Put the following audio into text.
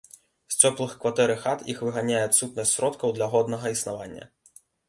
З цёплых кватэр і хат іх выганяе адсутнасць сродкаў для годнага існавання.